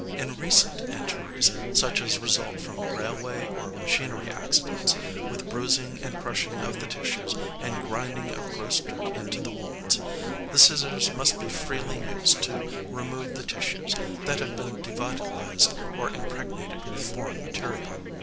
In recent injuries such as result from railway or machinery accidents, with bruising and crushing of the tissues and grinding of gross dirt into the wounds, the scissors must be freely used to remove the tissues that have been devitalised or impregnated with foreign material.